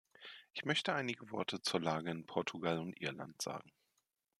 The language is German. Ich möchte einige Worte zur Lage in Portugal und Irland sagen.